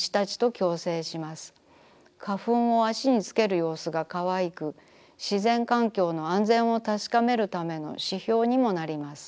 花粉を足につけるようすがかわいく自然環境の安全をたしかめるための指標にもなります。